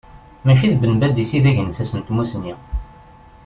Mačči d Ben Badis i d agensas n tmusni.